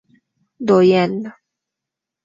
Do jen.